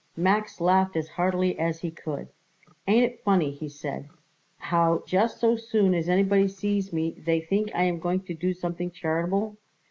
Max laughed as heartily as he could. "Ain't it funny," he said, "how just so soon as anybody sees me they think I am going to do something charitable?